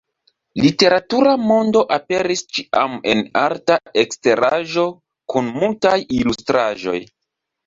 Literatura Mondo aperis ĉiam en arta eksteraĵo kun multaj ilustraĵoj.